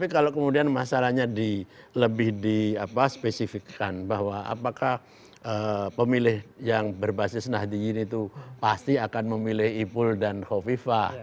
kalau kemudian masalahnya lebih di spesifikkan bahwa apakah pemilih yang berbasis nahdiyin itu pasti akan memilih ipul dan hovifa